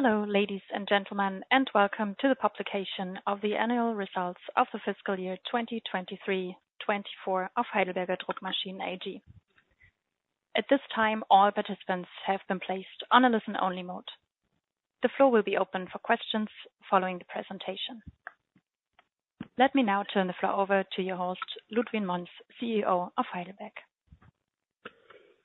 Hello, ladies and gentlemen, and welcome to the publication of the annual results of the fiscal year 2023-2024 of Heidelberger Druckmaschinen AG. At this time, all participants have been placed on a listen-only mode. The floor will be open for questions following the presentation. Let me now turn the floor over to your host, Ludwin Monz, CEO of Heidelberg.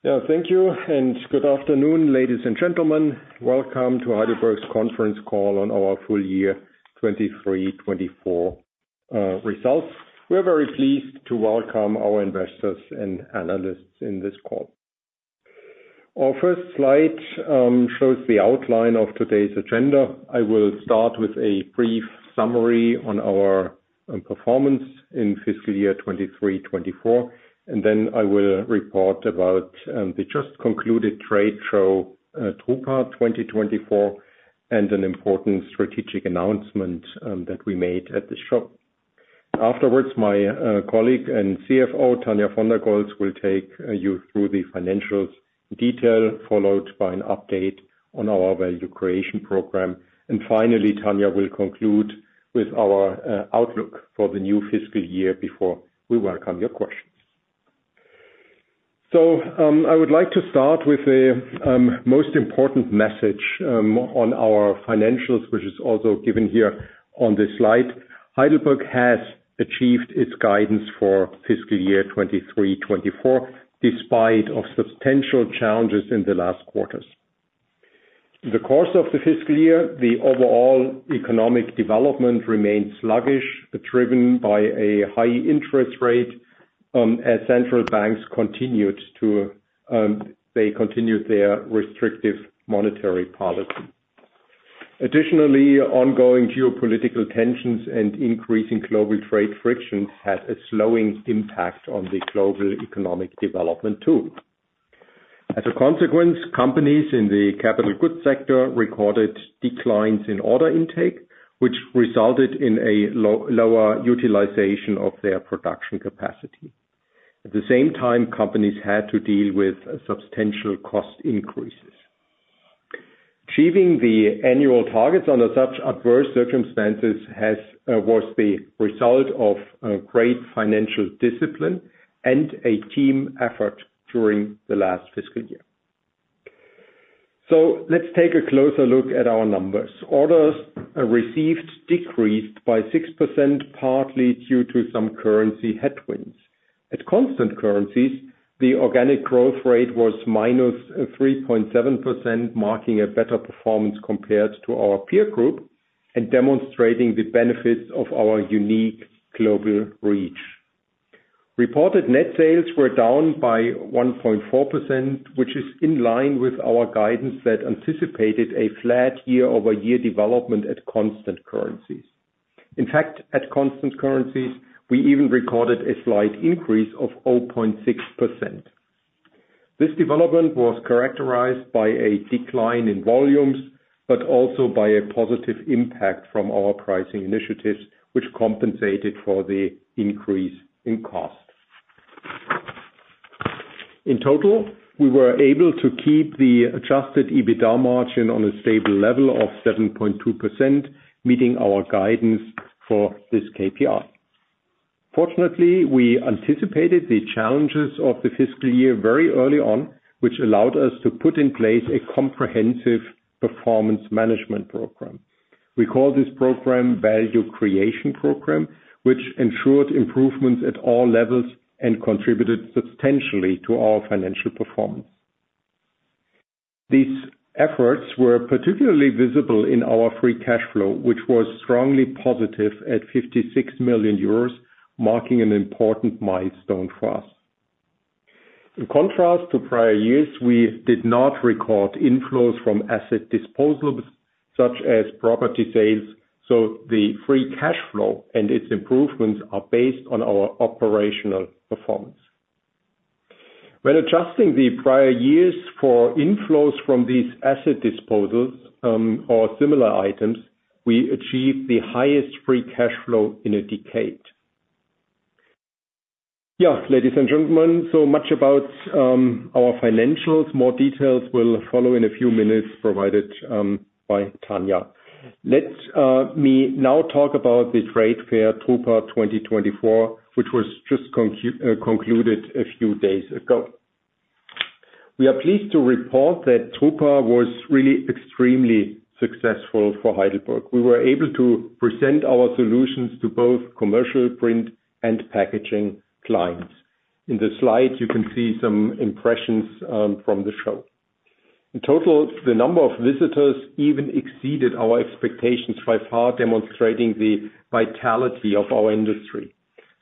Yeah, thank you, and good afternoon, ladies and gentlemen. Welcome to Heidelberg's conference call on our full year 2023-2024 results. We are very pleased to welcome our investors and analysts in this call. Our first slide shows the outline of today's agenda. I will start with a brief summary on our performance in fiscal year 2023-2024, and then I will report about the just-concluded trade show at drupa 2024 and an important strategic announcement that we made at the show. Afterwards, my colleague and CFO, Tania von der Goltz, will take you through the financials in detail, followed by an update on our Value Creation Program. And finally, Tania will conclude with our outlook for the new fiscal year before we welcome your questions. So I would like to start with the most important message on our financials, which is also given here on the slide. Heidelberg has achieved its guidance for fiscal year 2023-2024 despite substantial challenges in the last quarters. In the course of the fiscal year, the overall economic development remained sluggish, driven by a high interest rate as central banks continued their restrictive monetary policy. Additionally, ongoing geopolitical tensions and increasing global trade frictions had a slowing impact on the global economic development too. As a consequence, companies in the capital goods sector recorded declines in order intake, which resulted in a lower utilization of their production capacity. At the same time, companies had to deal with substantial cost increases. Achieving the annual targets under such adverse circumstances was the result of great financial discipline and a team effort during the last fiscal year. So let's take a closer look at our numbers. Orders received decreased by 6%, partly due to some currency headwinds. At constant currencies, the organic growth rate was -3.7%, marking a better performance compared to our peer group and demonstrating the benefits of our unique global reach. Reported net sales were down by 1.4%, which is in line with our guidance that anticipated a flat year-over-year development at constant currencies. In fact, at constant currencies, we even recorded a slight increase of 0.6%. This development was characterized by a decline in volumes, but also by a positive impact from our pricing initiatives, which compensated for the increase in cost. In total, we were able to keep the adjusted EBITDA margin on a stable level of 7.2%, meeting our guidance for this KPI. Fortunately, we anticipated the challenges of the fiscal year very early on, which allowed us to put in place a comprehensive performance management program. We call this program Value Creation Program, which ensured improvements at all levels and contributed substantially to our financial performance. These efforts were particularly visible in our free cash flow, which was strongly positive at 56 million euros, marking an important milestone for us. In contrast to prior years, we did not record inflows from asset disposals such as property sales, so the free cash flow and its improvements are based on our operational performance. When adjusting the prior years for inflows from these asset disposals or similar items, we achieved the highest free cash flow in a decade. Yeah, ladies and gentlemen, so much about our financials. More details will follow in a few minutes provided by Tania. Let me now talk about the trade fair drupa 2024, which was just concluded a few days ago. We are pleased to report that drupa was really extremely successful for Heidelberg. We were able to present our solutions to both commercial print and packaging clients. In the slide, you can see some impressions from the show. In total, the number of visitors even exceeded our expectations by far, demonstrating the vitality of our industry.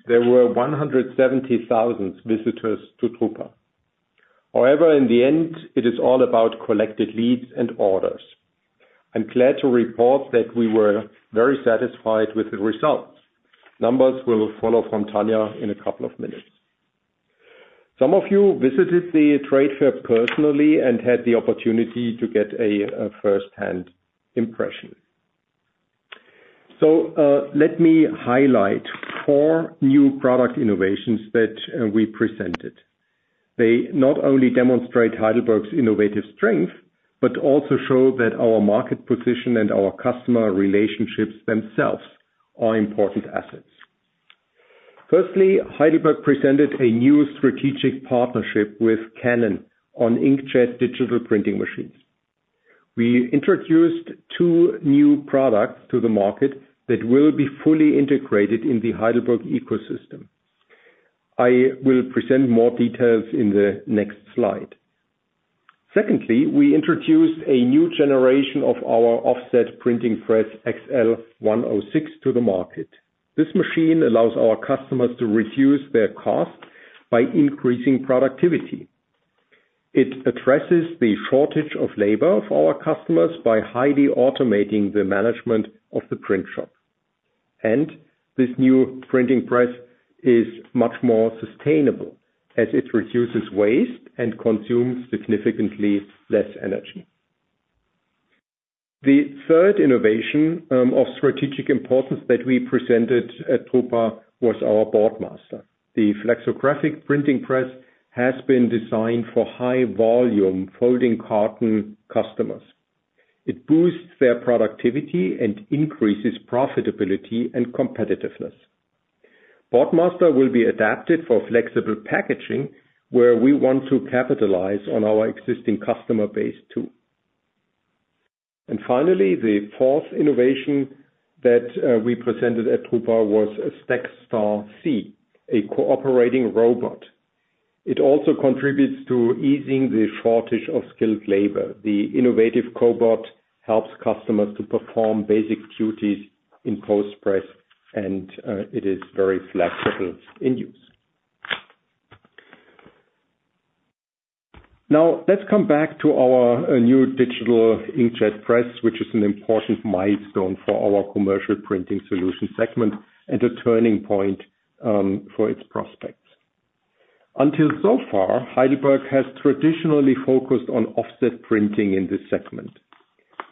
There were 170,000 visitors to drupa. However, in the end, it is all about collected leads and orders. I'm glad to report that we were very satisfied with the results. Numbers will follow from Tania in a couple of minutes. Some of you visited the trade fair personally and had the opportunity to get a firsthand impression. So let me highlight four new product innovations that we presented. They not only demonstrate Heidelberg's innovative strength, but also show that our market position and our customer relationships themselves are important assets. Firstly, Heidelberg presented a new strategic partnership with Canon on inkjet digital printing machines. We introduced two new products to the market that will be fully integrated in the Heidelberg ecosystem. I will present more details in the next slide. Secondly, we introduced a new generation of our offset printing press XL 106 to the market. This machine allows our customers to reduce their cost by increasing productivity. It addresses the shortage of labor of our customers by highly automating the management of the print shop. And this new printing press is much more sustainable as it reduces waste and consumes significantly less energy. The third innovation of strategic importance that we presented at drupa was our Boardmaster. The flexographic printing press has been designed for high-volume folding carton customers. It boosts their productivity and increases profitability and competitiveness. Boardmaster will be adapted for flexible packaging, where we want to capitalize on our existing customer base too. Finally, the fourth innovation that we presented at drupa was a StackStar C, a cooperating robot. It also contributes to easing the shortage of skilled labor. The innovative cobot helps customers to perform basic duties in post-press, and it is very flexible in use. Now, let's come back to our new digital inkjet press, which is an important milestone for our commercial printing solution segment and a turning point for its prospects. Until so far, Heidelberg has traditionally focused on offset printing in this segment.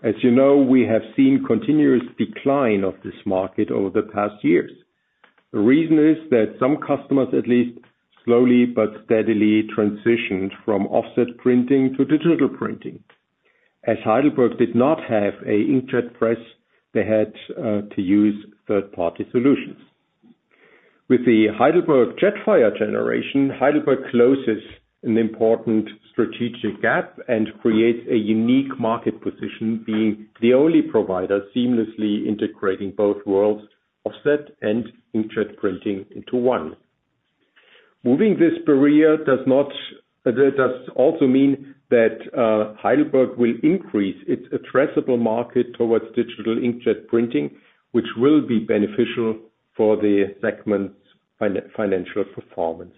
As you know, we have seen a continuous decline of this market over the past years. The reason is that some customers, at least slowly but steadily, transitioned from offset printing to digital printing. As Heidelberg did not have an inkjet press, they had to use third-party solutions. With the Heidelberg Jetfire generation, Heidelberg closes an important strategic gap and creates a unique market position, being the only provider seamlessly integrating both worlds of offset and inkjet printing into one. Moving this barrier does not, does also mean that Heidelberg will increase its addressable market towards digital inkjet printing, which will be beneficial for the segment's financial performance.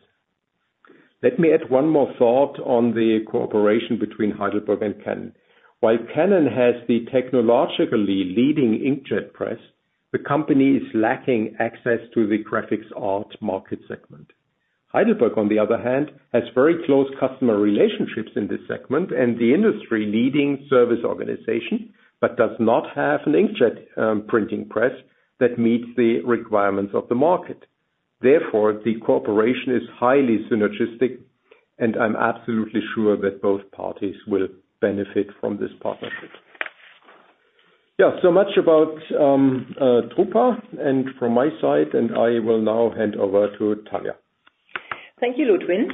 Let me add one more thought on the cooperation between Heidelberg and Canon. While Canon has the technologically leading inkjet press, the company is lacking access to the graphic arts market segment. Heidelberg, on the other hand, has very close customer relationships in this segment and the industry-leading service organization, but does not have an inkjet printing press that meets the requirements of the market. Therefore, the cooperation is highly synergistic, and I'm absolutely sure that both parties will benefit from this partnership. Yeah, so much about drupa and from my side, and I will now hand over to Tania. Thank you, Ludwin,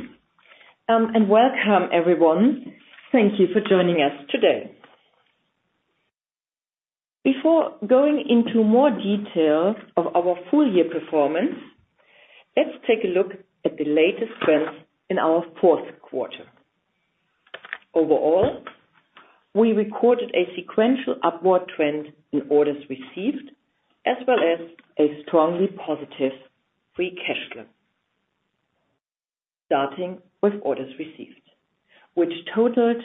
and welcome everyone. Thank you for joining us today. Before going into more detail of our full year performance, let's take a look at the latest trends in our fourth quarter. Overall, we recorded a sequential upward trend in orders received, as well as a strongly positive free cash flow. Starting with orders received, which totaled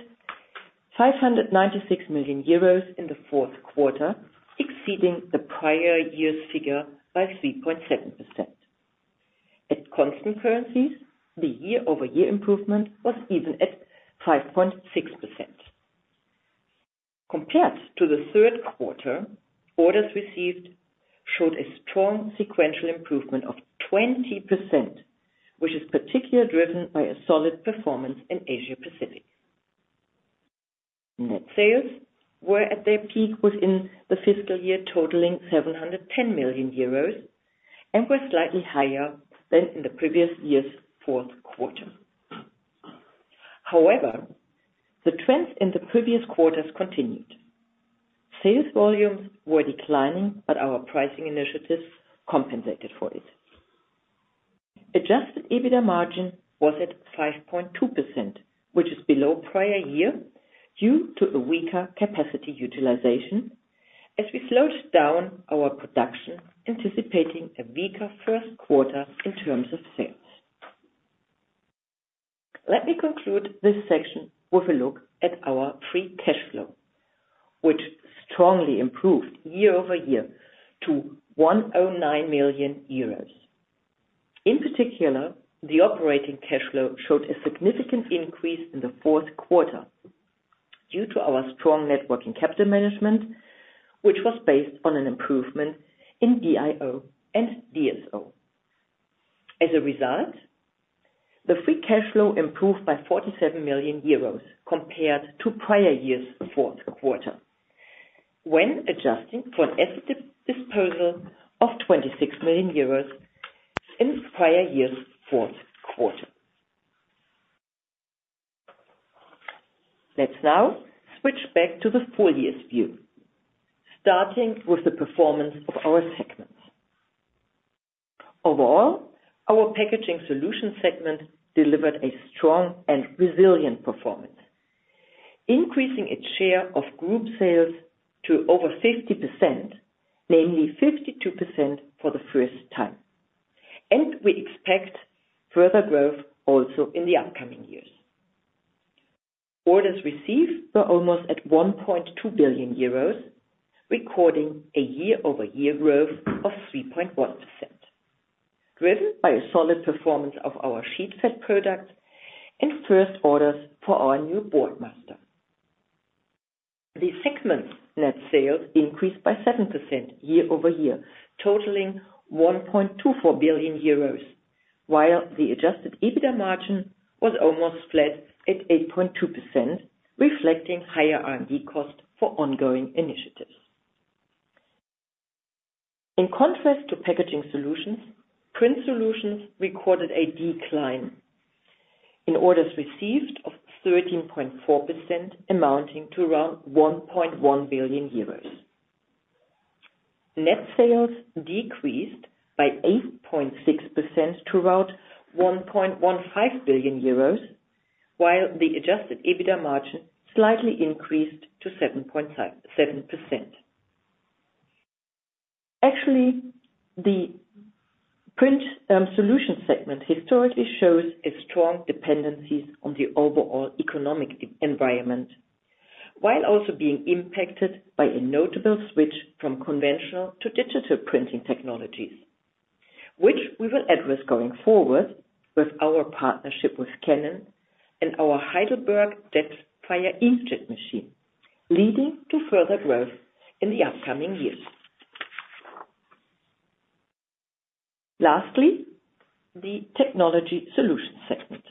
596 million euros in the fourth quarter, exceeding the prior year's figure by 3.7%. At constant currencies, the year-over-year improvement was even at 5.6%. Compared to the third quarter, orders received showed a strong sequential improvement of 20%, which is particularly driven by a solid performance in Asia-Pacific. Net sales were at their peak within the fiscal year, totaling 710 million euros, and were slightly higher than in the previous year's fourth quarter. However, the trends in the previous quarters continued. Sales volumes were declining, but our pricing initiatives compensated for it. Adjusted EBITDA margin was at 5.2%, which is below prior year due to a weaker capacity utilization, as we slowed down our production, anticipating a weaker first quarter in terms of sales. Let me conclude this section with a look at our free cash flow, which strongly improved year-over-year to 109 million euros. In particular, the operating cash flow showed a significant increase in the fourth quarter due to our strong net working capital management, which was based on an improvement in DIO and DSO. As a result, the free cash flow improved by 47 million euros compared to prior year's fourth quarter, when adjusting for an asset disposal of 26 million euros in prior year's fourth quarter. Let's now switch back to the full year's view, starting with the performance of our segments. Overall, our Packaging Solutions segment delivered a strong and resilient performance, increasing its share of group sales to over 50%, namely 52% for the first time. We expect further growth also in the upcoming years. Orders received were almost at 1.2 billion euros, recording a year-over-year growth of 3.1%, driven by a solid performance of our sheet-fed product and first orders for our new Boardmaster. The segment's net sales increased by 7% year-over-year, totaling 1.24 billion euros, while the adjusted EBITDA margin was almost flat at 8.2%, reflecting higher R&D cost for ongoing initiatives. In contrast to Packaging Solutions, Print Solutions recorded a decline in orders received of 13.4%, amounting to around 1.1 billion euros. Net sales decreased by 8.6% to around 1.15 billion euros, while the adjusted EBITDA margin slightly increased to 7.7%. Actually, the print solution segment historically shows a strong dependency on the overall economic environment, while also being impacted by a notable switch from conventional to digital printing technologies, which we will address going forward with our partnership with Canon and our Heidelberg Jetfire inkjet machine, leading to further growth in the upcoming years. Lastly, the Technology Solutions segment.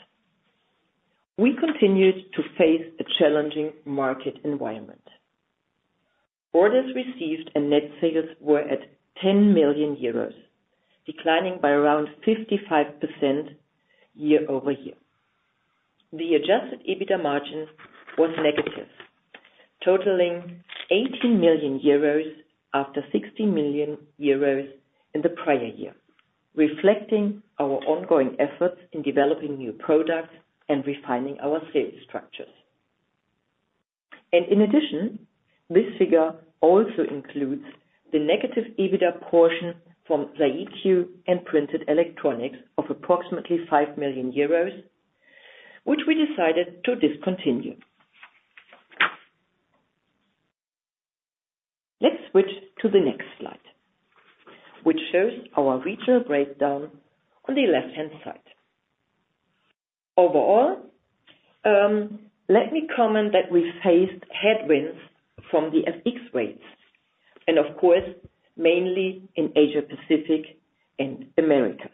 We continued to face a challenging market environment. Orders received and net sales were at 10 million euros, declining by around 55% year-over-year. The Adjusted EBITDA margin was negative, totaling 18 million euros after 60 million euros in the prior year, reflecting our ongoing efforts in developing new products and refining our sales structures. And in addition, this figure also includes the negative EBITDA portion from Zaikio and Printed Electronics of approximately 5 million euros, which we decided to discontinue. Let's switch to the next slide, which shows our regional breakdown on the left-hand side. Overall, let me comment that we faced headwinds from the FX rates, and of course, mainly in Asia-Pacific and Americas.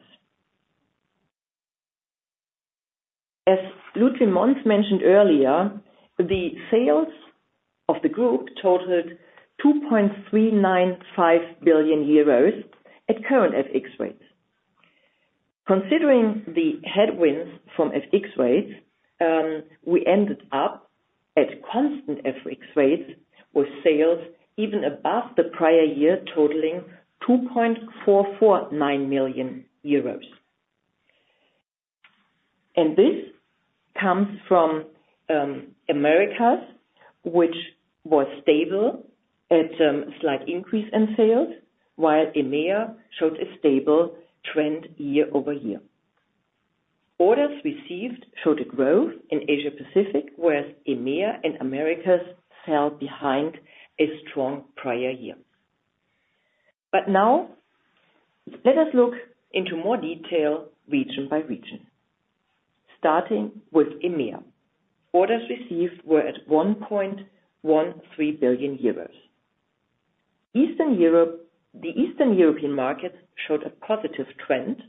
As Ludwin Monz mentioned earlier, the sales of the group totaled 2.395 billion euros at current FX rates. Considering the headwinds from FX rates, we ended up at constant FX rates with sales even above the prior year, totaling 2.449 million euros. And this comes from Americas, which was stable at a slight increase in sales, while EMEA showed a stable trend year-over-year. Orders received showed a growth in Asia-Pacific, whereas EMEA and Americas fell behind a strong prior year. But now, let us look into more detail region by region, starting with EMEA. Orders received were at 1.13 billion euros. The Eastern European markets showed a positive trend,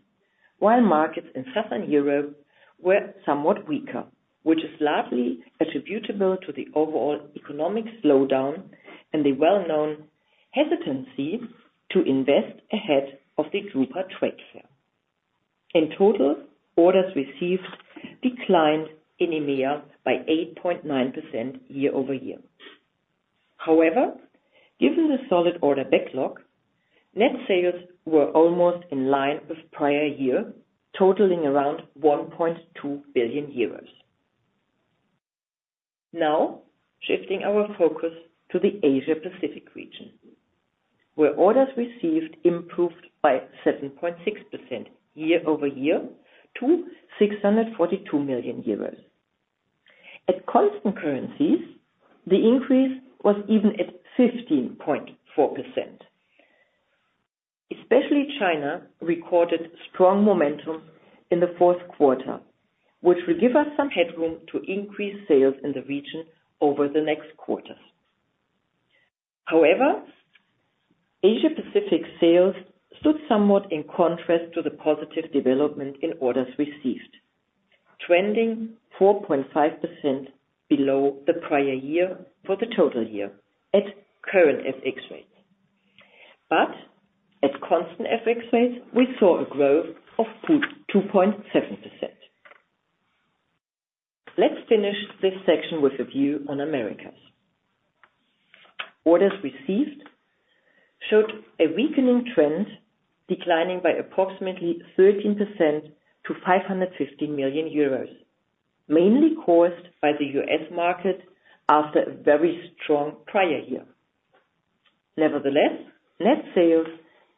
while markets in Southern Europe were somewhat weaker, which is largely attributable to the overall economic slowdown and the well-known hesitancy to invest ahead of the drupa trade fair. In total, orders received declined in EMEA by 8.9% year-over-year. However, given the solid order backlog, net sales were almost in line with prior year, totaling around 1.2 billion euros. Now, shifting our focus to the Asia-Pacific region, where orders received improved by 7.6% year-over-year to 642 million euros. At constant currencies, the increase was even at 15.4%. Especially China recorded strong momentum in the fourth quarter, which will give us some headroom to increase sales in the region over the next quarters. However, Asia-Pacific sales stood somewhat in contrast to the positive development in orders received, trending 4.5% below the prior year for the total year at current FX rates. At constant FX rates, we saw a growth of 2.7%. Let's finish this section with a view on Americas. Orders received showed a weakening trend, declining by approximately 13% to 515 million euros, mainly caused by the U.S. market after a very strong prior year. Nevertheless, net sales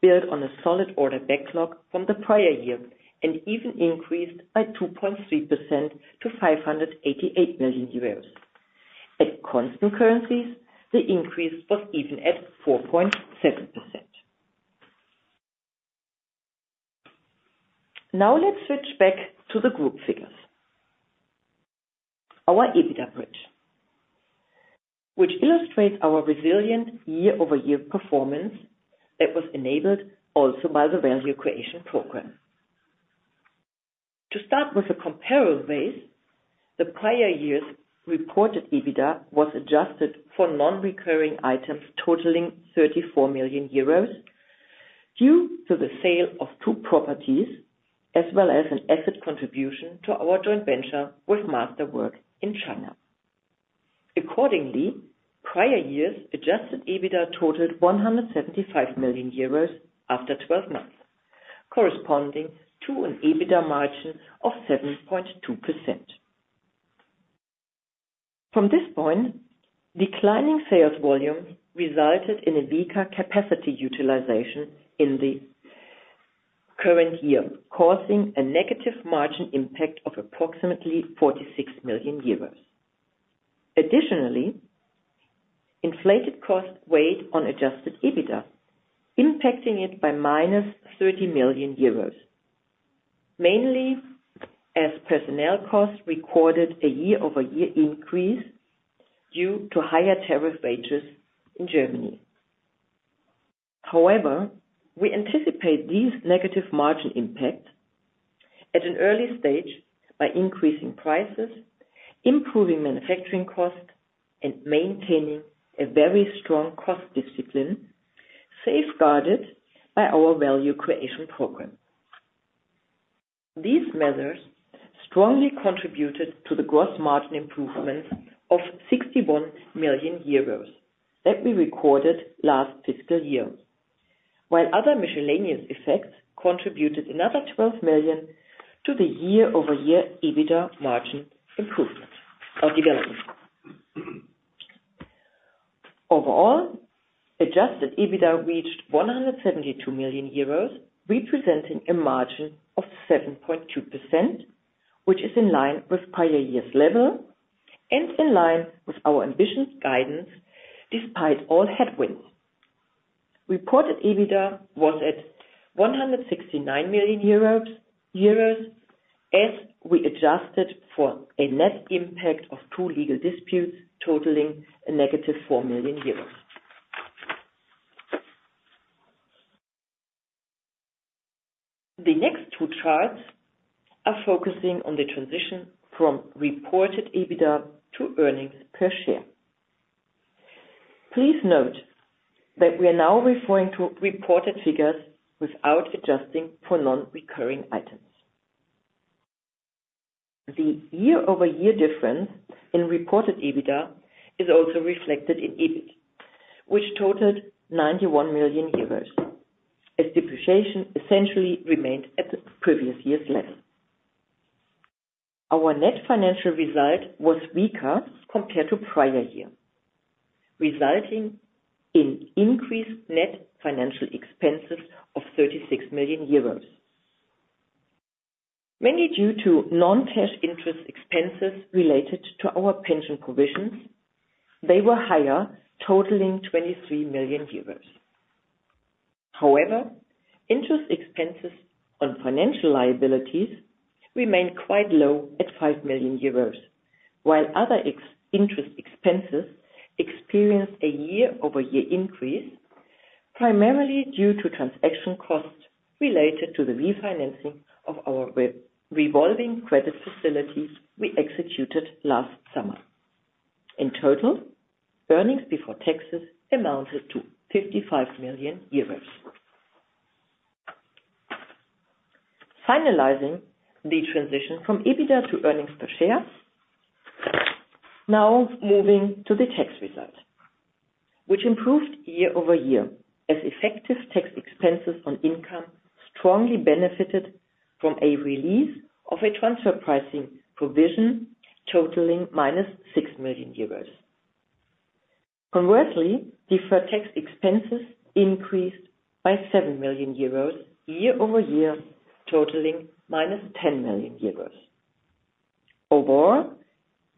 built on a solid order backlog from the prior year and even increased by 2.3% to 588 million euros. At constant currencies, the increase was even at 4.7%. Now, let's switch back to the group figures. Our EBITDA bridge, which illustrates our resilient year-over-year performance that was enabled also by the value creation program. To start with a comparable base, the prior year's reported EBITDA was adjusted for non-recurring items totaling 34 million euros due to the sale of two properties, as well as an asset contribution to our joint venture with Masterwork in China. Accordingly, prior year's adjusted EBITDA totaled 175 million euros after 12 months, corresponding to an EBITDA margin of 7.2%. From this point, declining sales volume resulted in a weaker capacity utilization in the current year, causing a negative margin impact of approximately 46 million euros. Additionally, inflated costs weighed on adjusted EBITDA, impacting it by -30 million euros, mainly as personnel costs recorded a year-over-year increase due to higher tariff wages in Germany. However, we anticipate these negative margin impacts at an early stage by increasing prices, improving manufacturing costs, and maintaining a very strong cost discipline safeguarded by our value creation program. These measures strongly contributed to the gross margin improvements of 61 million euros that we recorded last fiscal year, while other miscellaneous effects contributed another 12 million to the year-over-year EBITDA margin improvement or development. Overall, Adjusted EBITDA reached 172 million euros, representing a margin of 7.2%, which is in line with prior year's level and in line with our ambition guidance despite all headwinds. Reported EBITDA was at 169 million euros as we adjusted for a net impact of two legal disputes totaling -EUR 4 million. The next two charts are focusing on the transition from reported EBITDA to earnings per share. Please note that we are now referring to reported figures without adjusting for non-recurring items. The year-over-year difference in reported EBITDA is also reflected in EBIT, which totaled 91 million euros, as depreciation essentially remained at the previous year's level. Our net financial result was weaker compared to prior year, resulting in increased net financial expenses of 36 million euros, mainly due to non-cash interest expenses related to our pension provisions. They were higher, totaling 23 million euros. However, interest expenses on financial liabilities remained quite low at 5 million euros, while other interest expenses experienced a year-over-year increase, primarily due to transaction costs related to the refinancing of our revolving credit facilities we executed last summer. In total, earnings before taxes amounted to 55 million euros. Finalizing the transition from EBITDA to earnings per share, now moving to the tax result, which improved year-over-year as effective tax expenses on income strongly benefited from a release of a transfer pricing provision totaling -6 million euros. Conversely, deferred tax expenses increased by 7 million euros year-over-year, totaling -10 million euros. Overall,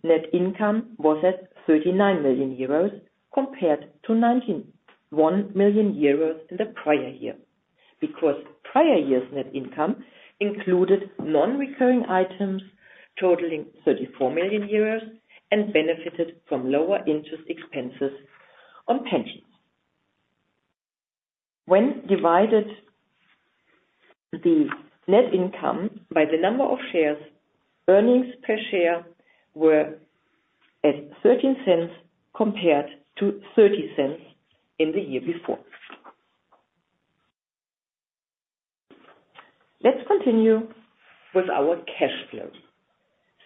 net income was at 39 million euros compared to 91 million euros in the prior year because prior year's net income included non-recurring items totaling 34 million euros and benefited from lower interest expenses on pensions. When divided the net income by the number of shares, earnings per share were at 0.13 compared to 0.30 in the year before. Let's continue with our cash flow,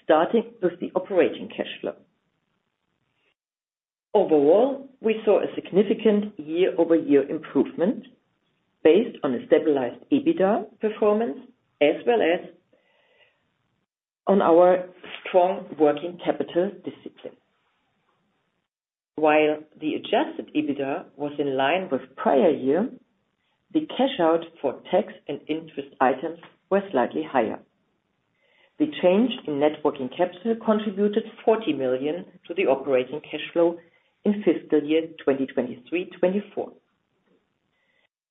starting with the operating cash flow. Overall, we saw a significant year-over-year improvement based on a stabilized EBITDA performance as well as on our strong working capital discipline. While the adjusted EBITDA was in line with prior year, the cash out for tax and interest items were slightly higher. The change in net working capital contributed 40 million to the operating cash flow in fiscal year 2023-24.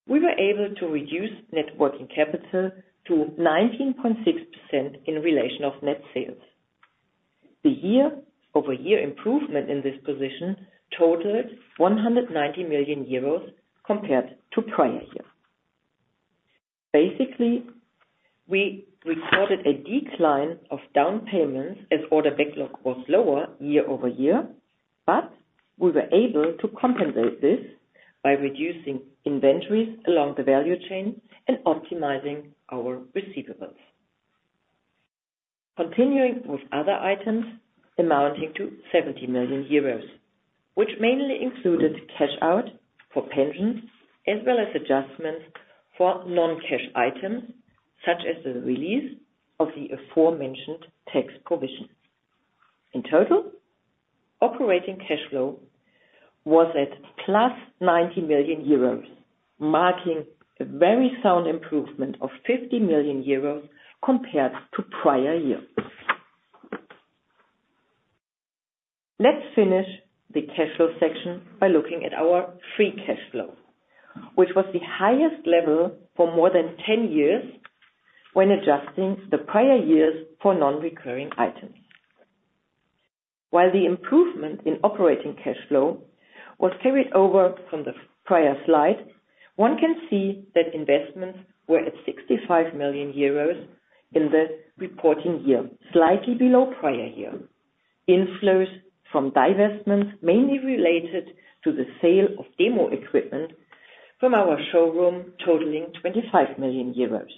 We were able to reduce net working capital to 19.6% in relation of net sales. The year-over-year improvement in this position totaled 190 million euros compared to prior year. Basically, we recorded a decline of down payments as order backlog was lower year-over-year, but we were able to compensate this by reducing inventories along the value chain and optimizing our receivables. Continuing with other items amounting to 70 million euros, which mainly included cash out for pensions as well as adjustments for non-cash items such as the release of the aforementioned tax provision. In total, operating cash flow was at +90 million euros, marking a very sound improvement of 50 million euros compared to prior year. Let's finish the cash flow section by looking at our free cash flow, which was the highest level for more than 10 years when adjusting the prior year's for non-recurring items. While the improvement in operating cash flow was carried over from the prior slide, one can see that investments were at 65 million euros in the reporting year, slightly below prior year. Inflows from divestments mainly related to the sale of demo equipment from our showroom totaling 25 million euros.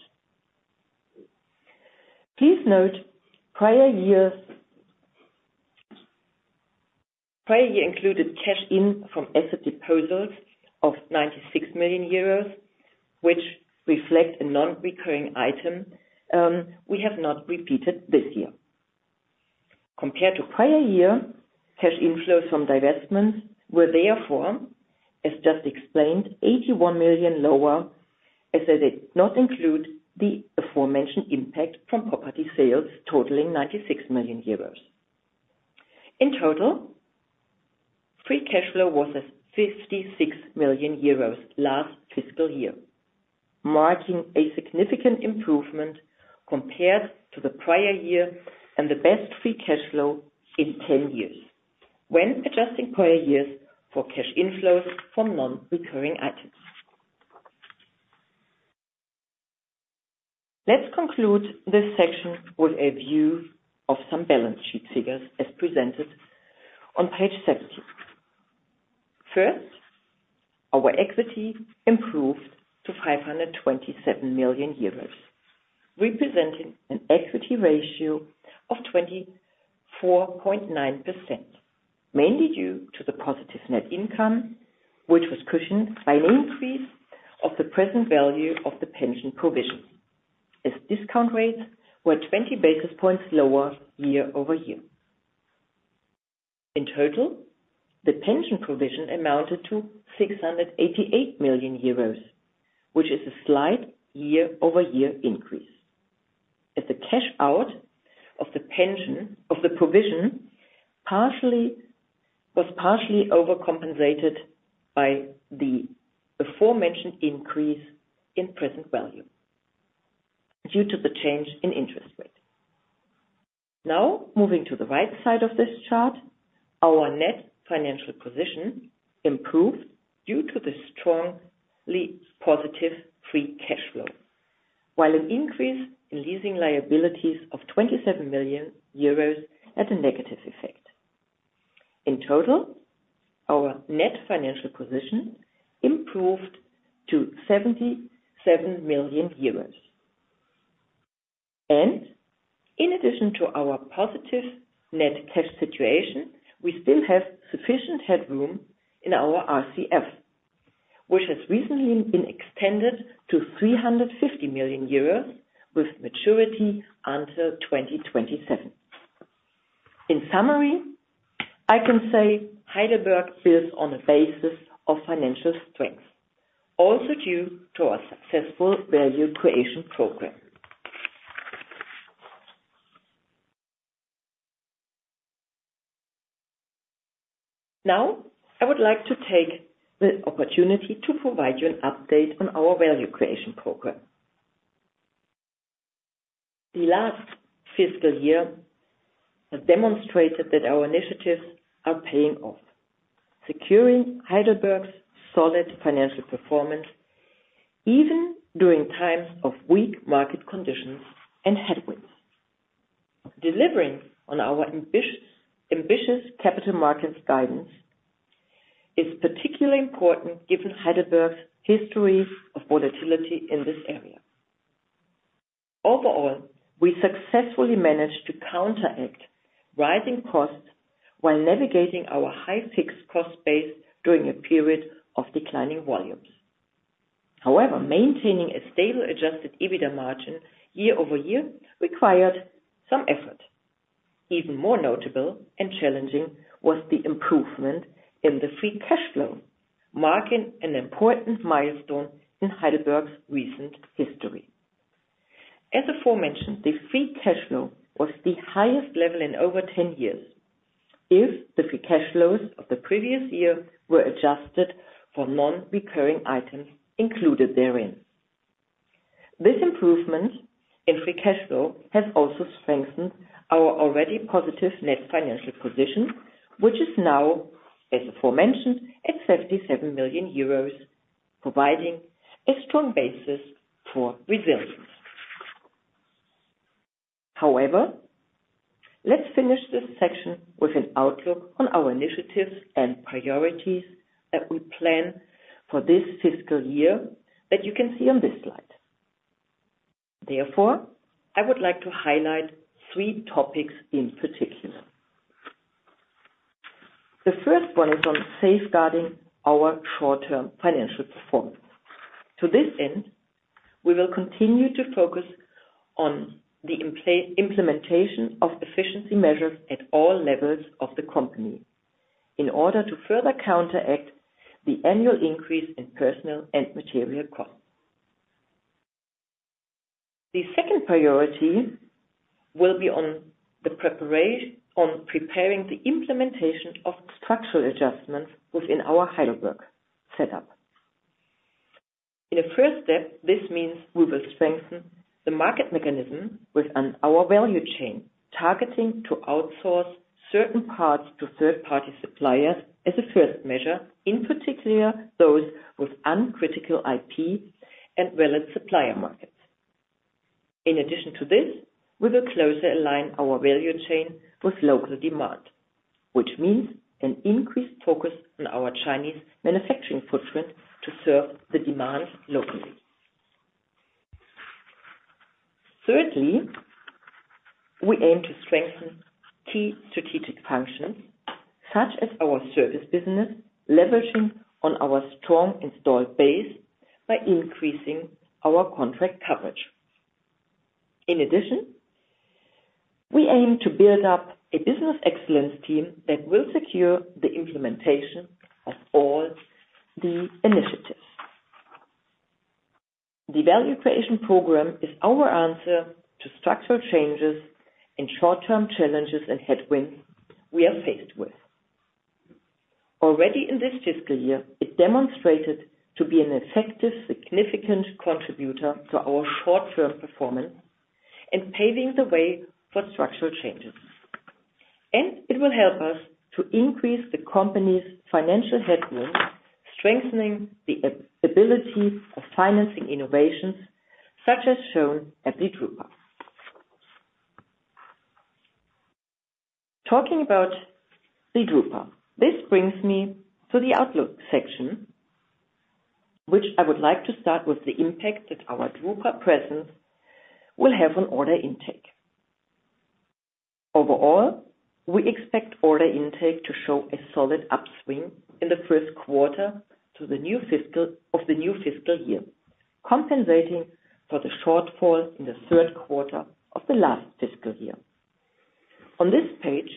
Please note prior year included cash in from asset deposits of 96 million euros, which reflects a non-recurring item we have not repeated this year. Compared to prior year, cash inflows from divestments were therefore, as just explained, 81 million lower as they did not include the aforementioned impact from property sales totaling 96 million euros. In total, free cash flow was at 56 million euros last fiscal year, marking a significant improvement compared to the prior year and the best free cash flow in 10 years when adjusting prior year's for cash inflows from non-recurring items. Let's conclude this section with a view of some balance sheet figures as presented on page 70. First, our equity improved to 527 million euros, representing an equity ratio of 24.9%, mainly due to the positive net income, which was cushioned by an increase of the present value of the pension provision as discount rates were 20 basis points lower year-over-year. In total, the pension provision amounted to 688 million euros, which is a slight year-over-year increase as the cash out of the provision was partially overcompensated by the aforementioned increase in present value due to the change in interest rate. Now, moving to the right side of this chart, our net financial position improved due to the strongly positive free cash flow, while an increase in leasing liabilities of 27 million euros had a negative effect. In total, our net financial position improved to EUR 77 million. In addition to our positive net cash situation, we still have sufficient headroom in our RCF, which has recently been extended to 350 million euros with maturity until 2027. In summary, I can say Heidelberg builds on a basis of financial strength, also due to our successful value creation program. Now, I would like to take the opportunity to provide you an update on our value creation program. The last fiscal year has demonstrated that our initiatives are paying off, securing Heidelberg's solid financial performance even during times of weak market conditions and headwinds. Delivering on our ambitious capital markets guidance is particularly important given Heidelberg's history of volatility in this area. Overall, we successfully managed to counteract rising costs while navigating our high fixed cost base during a period of declining volumes. However, maintaining a stable Adjusted EBITDA margin year-over-year required some effort. Even more notable and challenging was the improvement in the free cash flow, marking an important milestone in Heidelberg's recent history. As aforementioned, the free cash flow was the highest level in over 10 years if the free cash flows of the previous year were adjusted for non-recurring items included therein. This improvement in free cash flow has also strengthened our already positive net financial position, which is now, as aforementioned, at 77 million euros, providing a strong basis for resilience. However, let's finish this section with an outlook on our initiatives and priorities that we plan for this fiscal year that you can see on this slide. Therefore, I would like to highlight three topics in particular. The first one is on safeguarding our short-term financial performance. To this end, we will continue to focus on the implementation of efficiency measures at all levels of the company in order to further counteract the annual increase in personnel and material costs. The second priority will be on preparing the implementation of structural adjustments within our Heidelberg setup. In a first step, this means we will strengthen the market mechanism within our value chain, targeting to outsource certain parts to third-party suppliers as a first measure, in particular those with uncritical IP and valid supplier markets. In addition to this, we will closely align our value chain with local demand, which means an increased focus on our Chinese manufacturing footprint to serve the demand locally. Thirdly, we aim to strengthen key strategic functions such as our service business, leveraging on our strong installed base by increasing our contract coverage. In addition, we aim to build up a business excellence team that will secure the implementation of all the initiatives. The value creation program is our answer to structural changes and short-term challenges and headwinds we are faced with. Already in this fiscal year, it demonstrated to be an effective, significant contributor to our short-term performance and paving the way for structural changes. It will help us to increase the company's financial headroom, strengthening the ability of financing innovations such as shown at the drupa. Talking about the drupa, this brings me to the outlook section, which I would like to start with the impact that our drupa presence will have on order intake. Overall, we expect order intake to show a solid upswing in the first quarter of the new fiscal year, compensating for the shortfall in the third quarter of the last fiscal year. On this page,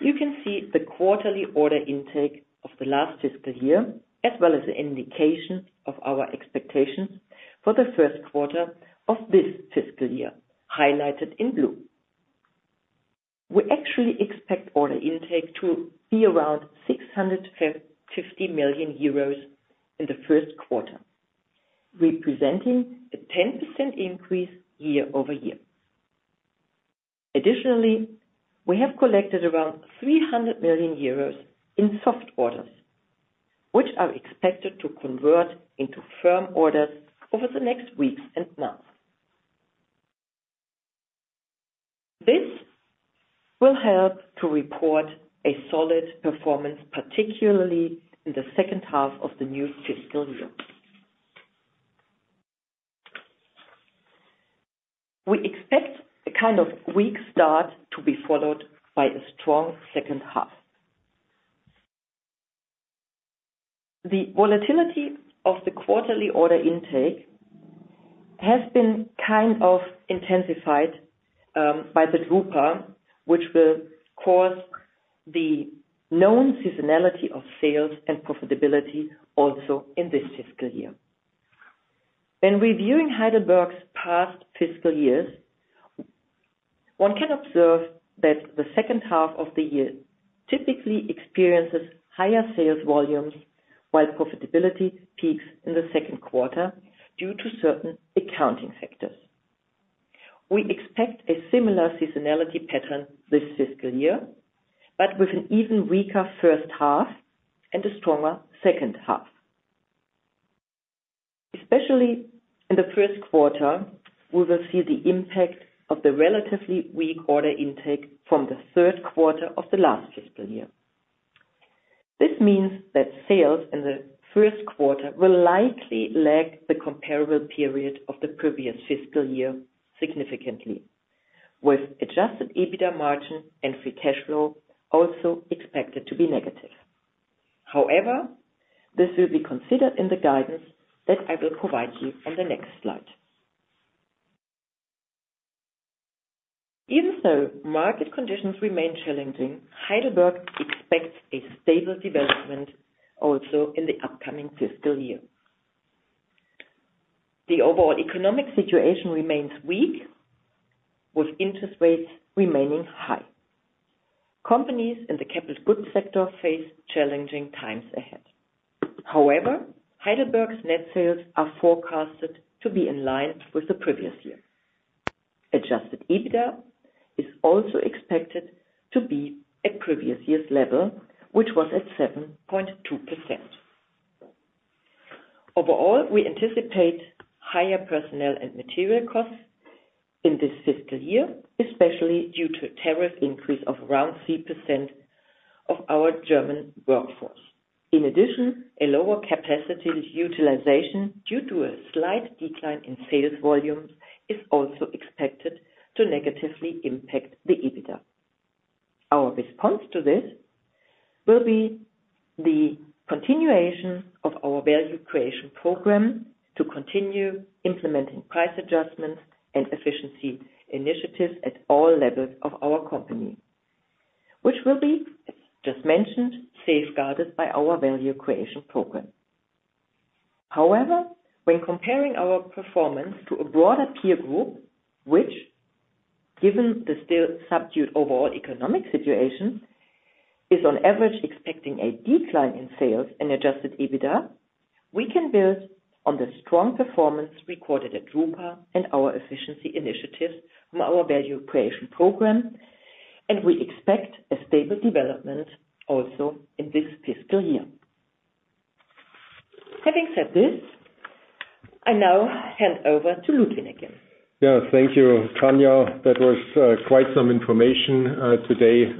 you can see the quarterly order intake of the last fiscal year as well as the indication of our expectations for the first quarter of this fiscal year, highlighted in blue. We actually expect order intake to be around 650 million euros in the first quarter, representing a 10% increase year-over-year. Additionally, we have collected around 300 million euros in soft orders, which are expected to convert into firm orders over the next weeks and months. This will help to report a solid performance, particularly in the second half of the new fiscal year. We expect a kind of weak start to be followed by a strong second half. The volatility of the quarterly order intake has been kind of intensified by the drupa, which will cause the known seasonality of sales and profitability also in this fiscal year. When reviewing Heidelberg's past fiscal years, one can observe that the second half of the year typically experiences higher sales volumes while profitability peaks in the second quarter due to certain accounting factors. We expect a similar seasonality pattern this fiscal year, but with an even weaker first half and a stronger second half. Especially in the first quarter, we will see the impact of the relatively weak order intake from the third quarter of the last fiscal year. This means that sales in the first quarter will likely lag the comparative period of the previous fiscal year significantly, with Adjusted EBITDA margin and free cash flow also expected to be negative. However, this will be considered in the guidance that I will provide you on the next slide. Even though market conditions remain challenging, Heidelberg expects a stable development also in the upcoming fiscal year. The overall economic situation remains weak, with interest rates remaining high. Companies in the capital goods sector face challenging times ahead. However, Heidelberg's net sales are forecasted to be in line with the previous year. Adjusted EBITDA is also expected to be at previous year's level, which was at 7.2%. Overall, we anticipate higher personnel and material costs in this fiscal year, especially due to a tariff increase of around 3% of our German workforce. In addition, a lower capacity utilization due to a slight decline in sales volumes is also expected to negatively impact the EBITDA. Our response to this will be the continuation of our value creation program to continue implementing price adjustments and efficiency initiatives at all levels of our company, which will be, as just mentioned, safeguarded by our value creation program. However, when comparing our performance to a broader peer group, which, given the still subdued overall economic situation, is on average expecting a decline in sales and adjusted EBITDA, we can build on the strong performance recorded at drupa and our efficiency initiatives from our value creation program, and we expect a stable development also in this fiscal year. Having said this, I now hand over to Ludwin again. Yeah, thank you, Tania. That was quite some information today,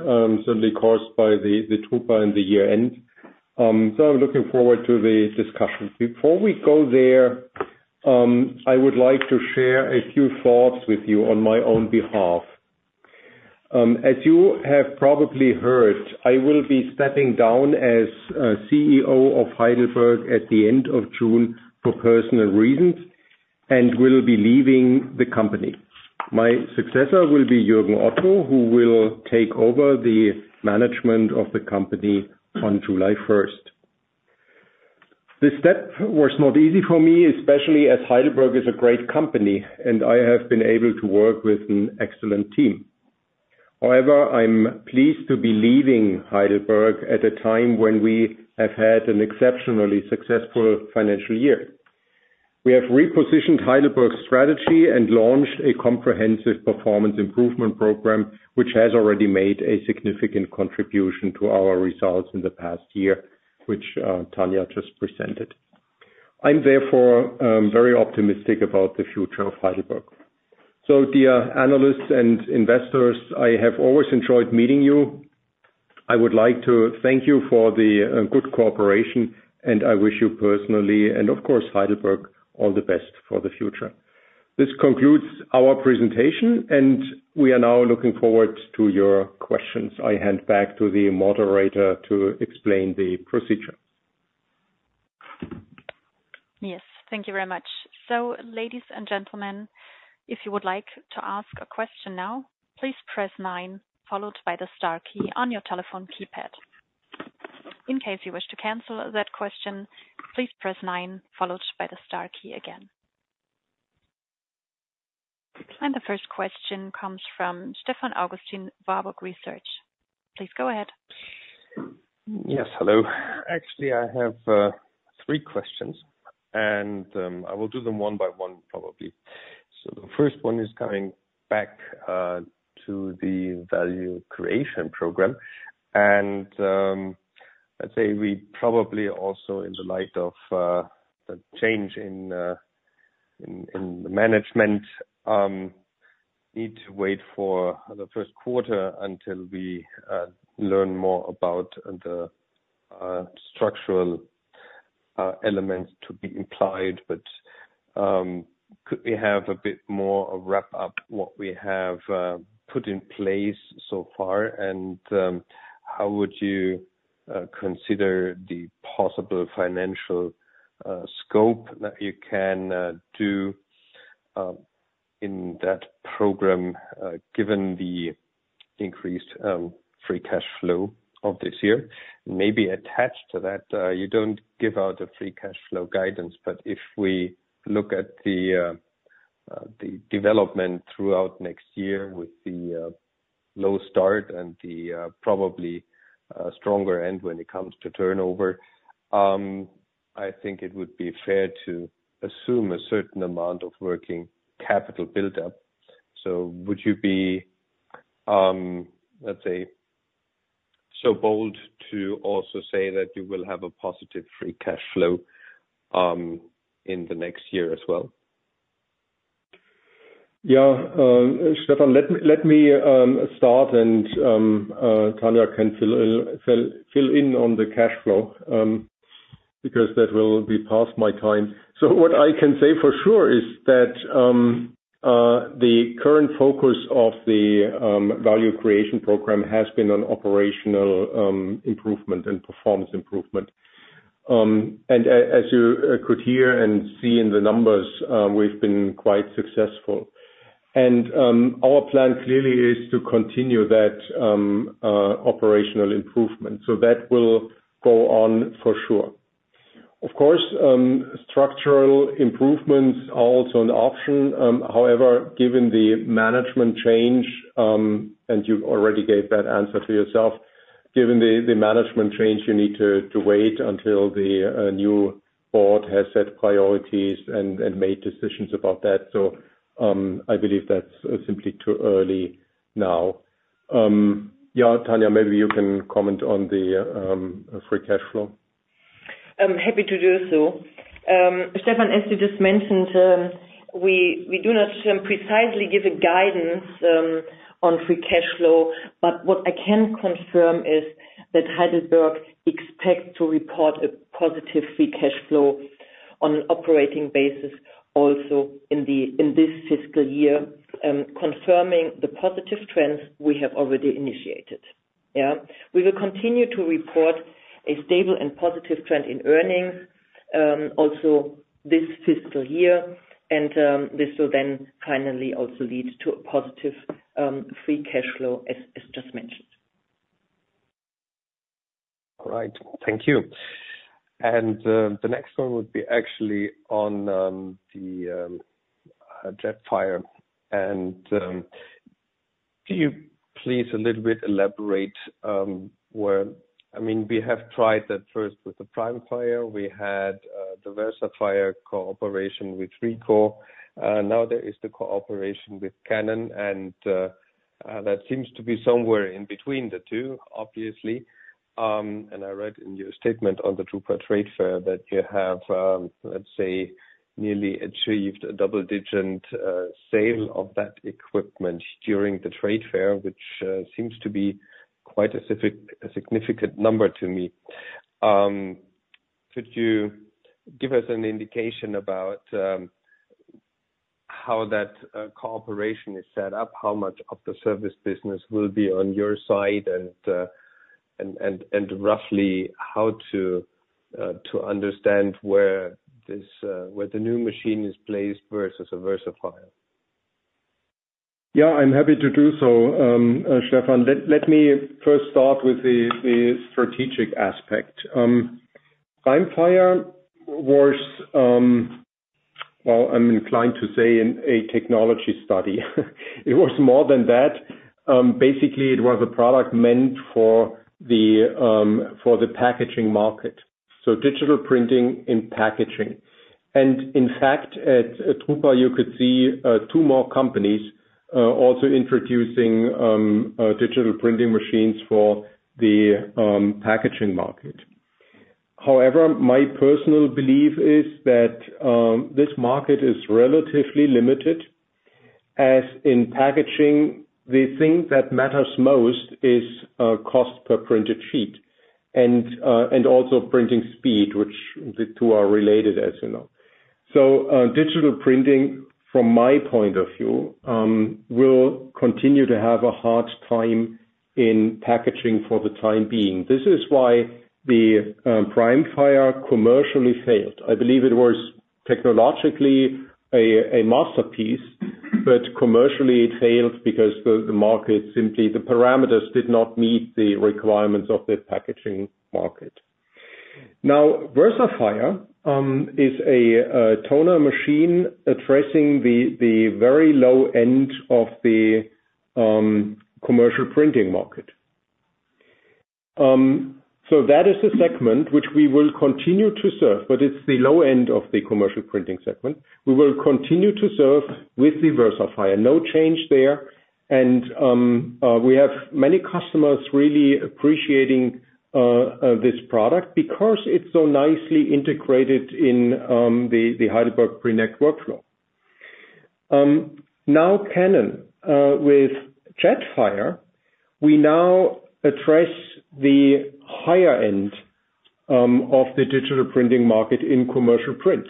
certainly caused by the drupa and the year-end. So I'm looking forward to the discussion. Before we go there, I would like to share a few thoughts with you on my own behalf. As you have probably heard, I will be stepping down as CEO of Heidelberg at the end of June for personal reasons and will be leaving the company. My successor will be Jürgen Otto, who will take over the management of the company on July 1st. This step was not easy for me, especially as Heidelberg is a great company and I have been able to work with an excellent team. However, I'm pleased to be leaving Heidelberg at a time when we have had an exceptionally successful financial year. We have repositioned Heidelberg's strategy and launched a comprehensive performance improvement program, which has already made a significant contribution to our results in the past year, which Tania just presented. I'm therefore very optimistic about the future of Heidelberg. So, dear analysts and investors, I have always enjoyed meeting you. I would like to thank you for the good cooperation, and I wish you personally and, of course, Heidelberg all the best for the future. This concludes our presentation, and we are now looking forward to your questions. I hand back to the moderator to explain the procedure. Yes, thank you very much. So, ladies and gentlemen, if you would like to ask a question now, please press nine, followed by the star key on your telephone keypad. In case you wish to cancel that question, please press nine, followed by the star key again. And the first question comes from Stefan Augustin, Warburg Research. Please go ahead. Yes, hello. Actually, I have three questions, and I will do them one by one, probably. So the first one is coming back to the value creation program. And I'd say we probably also, in the light of the change in the management, need to wait for the first quarter until we learn more about the structural elements to be implied. Could we have a bit more of a wrap-up of what we have put in place so far, and how would you consider the possible financial scope that you can do in that program, given the increased free cash flow of this year? Maybe attached to that, you don't give out a free cash flow guidance, but if we look at the development throughout next year with the low start and the probably stronger end when it comes to turnover, I think it would be fair to assume a certain amount of working capital build-up. So would you be, let's say, so bold to also say that you will have a positive free cash flow in the next year as well? Yeah, Stefan, let me start, and Tania can fill in on the cash flow because that will be past my time. So what I can say for sure is that the current focus of the value creation program has been on operational improvement and performance improvement. As you could hear and see in the numbers, we've been quite successful. Our plan clearly is to continue that operational improvement. So that will go on for sure. Of course, structural improvements are also an option. However, given the management change, and you already gave that answer to yourself, given the management change, you need to wait until the new board has set priorities and made decisions about that. So I believe that's simply too early now. Yeah, Tania, maybe you can comment on the free cash flow. I'm happy to do so. Stefan, as you just mentioned, we do not precisely give a guidance on free cash flow, but what I can confirm is that Heidelberg expects to report a positive free cash flow on an operating basis also in this fiscal year, confirming the positive trends we have already initiated. Yeah, we will continue to report a stable and positive trend in earnings also this fiscal year, and this will then finally also lead to a positive free cash flow, as just mentioned. All right, thank you. And the next one would be actually on the Jetfire. And could you please a little bit elaborate where I mean, we have tried that first with the Primefire. We had the Versafire cooperation with Ricoh. Now there is the cooperation with Canon, and that seems to be somewhere in between the two, obviously. I read in your statement on the drupa trade fair that you have, let's say, nearly achieved a double-digit sale of that equipment during the trade fair, which seems to be quite a significant number to me. Could you give us an indication about how that cooperation is set up, how much of the service business will be on your side, and roughly how to understand where the new machine is placed versus a Versafire? Yeah, I'm happy to do so, Stefan. Let me first start with the strategic aspect. Primefire was, well, I'm inclined to say, a technology study. It was more than that. Basically, it was a product meant for the packaging market, so digital printing in packaging. And in fact, at drupa, you could see two more companies also introducing digital printing machines for the packaging market. However, my personal belief is that this market is relatively limited, as in packaging, the thing that matters most is cost per printed sheet and also printing speed, which the two are related, as you know. So digital printing, from my point of view, will continue to have a hard time in packaging for the time being. This is why the Primefire commercially failed. I believe it was technologically a masterpiece, but commercially it failed because the market simply the parameters did not meet the requirements of the packaging market. Now, Versafire is a toner machine addressing the very low end of the commercial printing market. So that is the segment which we will continue to serve, but it's the low end of the commercial printing segment. We will continue to serve with the Versafire. No change there. And we have many customers really appreciating this product because it's so nicely integrated in the Heidelberg Prinect workflow. Now, Canon with Jetfire, we now address the higher end of the digital printing market in commercial print.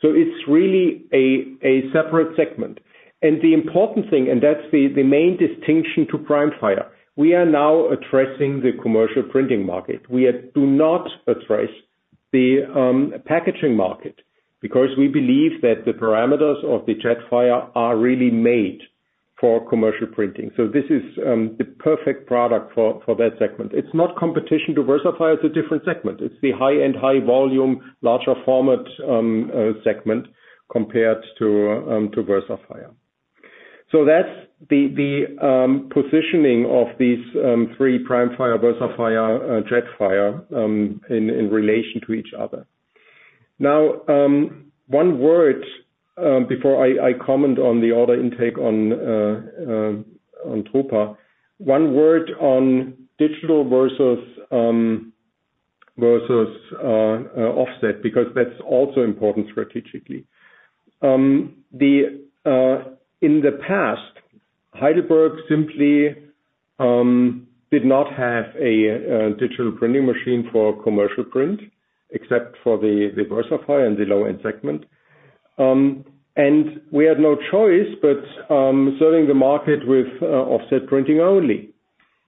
So it's really a separate segment. And the important thing, and that's the main distinction to Primefire, we are now addressing the commercial printing market. We do not address the packaging market because we believe that the parameters of the Jetfire are really made for commercial printing. So this is the perfect product for that segment. It's not competition to Versafire. It's a different segment. It's the high-end, high-volume, larger-format segment compared to Versafire. So that's the positioning of these three: Primefire, Versafire, Jetfire in relation to each other. Now, one word before I comment on the order intake on drupa, one word on digital versus offset because that's also important strategically. In the past, Heidelberg simply did not have a digital printing machine for commercial print, except for the Versafire and the low-end segment. And we had no choice but serving the market with offset printing only.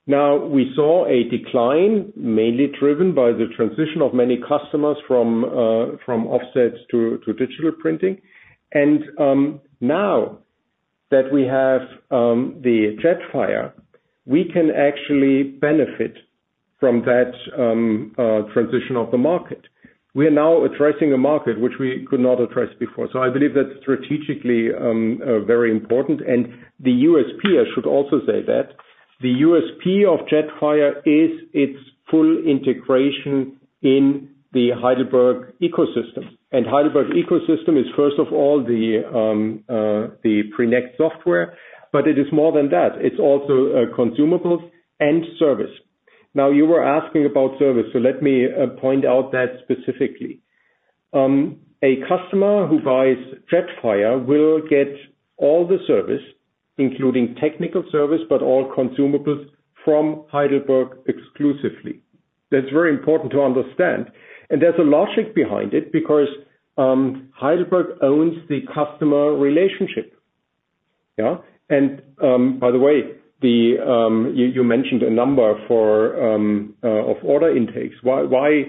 Now, we saw a decline, mainly driven by the transition of many customers from offsets to digital printing. And now that we have the Jetfire, we can actually benefit from that transition of the market. We are now addressing a market which we could not address before. So I believe that's strategically very important. And the USP, I should also say that the USP of Jetfire is its full integration in the Heidelberg ecosystem. And Heidelberg ecosystem is, first of all, the Prinect software, but it is more than that. It's also consumables and service. Now, you were asking about service, so let me point out that specifically. A customer who buys Jetfire will get all the service, including technical service, but all consumables from Heidelberg exclusively. That's very important to understand. There's a logic behind it because Heidelberg owns the customer relationship. Yeah? By the way, you mentioned a number of order intakes. Why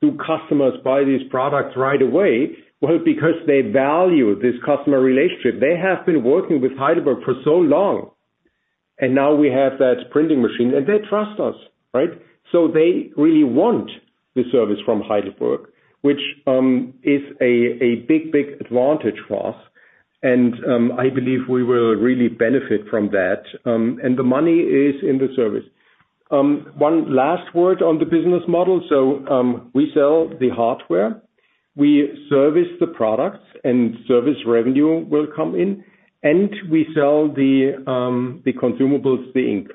do customers buy these products right away? Well, because they value this customer relationship. They have been working with Heidelberg for so long, and now we have that printing machine, and they trust us, right? So they really want the service from Heidelberg, which is a big, big advantage for us. I believe we will really benefit from that. The money is in the service. One last word on the business model. We sell the hardware, we service the products, and service revenue will come in, and we sell the consumables, the ink.